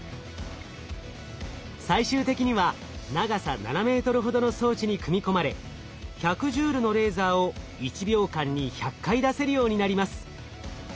最終的には長さ７ｍほどの装置に組み込まれ１００ジュールのレーザーを１秒間に１００回出せるようになります。